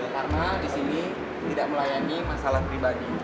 karena di sini tidak melayani masalah pribadi